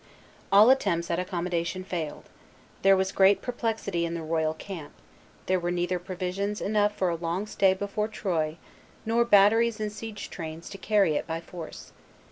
All attempts at accommodation failed. There was great perplexity in the royal camp; there were neither provisions enough for a long stay before Troyes, nor batteries and siege trains to carry it by force.